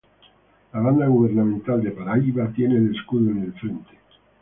La Banda gubernamental de Paraíba tiene el escudo en el frente.